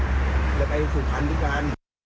เธอเรียกว่าแม่เราอาศัยก็อยู่